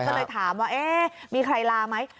ก็เลยถามว่าเอ๊ะมีใครลาไหม